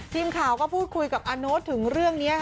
ทีมข่าวก็พูดคุยกับอาโน๊ตถึงเรื่องนี้